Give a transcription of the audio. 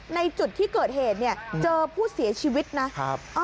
ในจุดที่เกิดเหตุเนี่ยเจอผู้เสียชีวิตนะครับ